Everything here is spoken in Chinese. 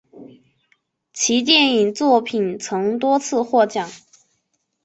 其电影作品曾多次获奖。